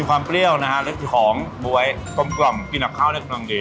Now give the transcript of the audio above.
เปรี้ยวนะฮะและของบ๊วยกลมกินกับข้าวได้กำลังดี